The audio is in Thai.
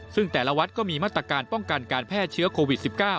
ซึ่งแต่ละวัดก็มีมาตรการป้องกันการแพร่เชื้อโควิด๑๙